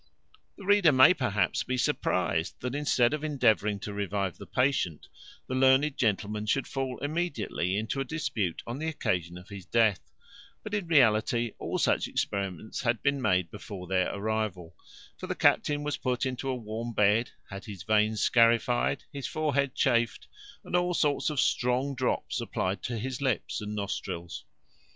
The reader may perhaps be surprized, that, instead of endeavouring to revive the patient, the learned gentlemen should fall immediately into a dispute on the occasion of his death; but in reality all such experiments had been made before their arrival: for the captain was put into a warm bed, had his veins scarified, his forehead chafed, and all sorts of strong drops applied to his lips and nostrils.